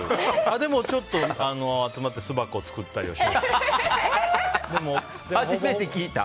でも、ちょっと集まって巣箱を作ったりはしました。